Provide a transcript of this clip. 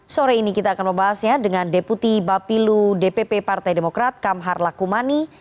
sore ini kita akan membahasnya dengan deputi bapilu dpp partai demokrat kamhar lakumani